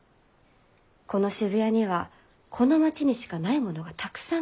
この渋谷にはこの町にしかないものがたくさんございます。